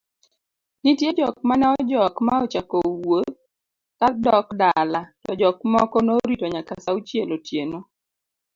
nitie jok mane ojok ma ochako wuodh ka dok dala to jok moko noritonyakasaaauchielotieno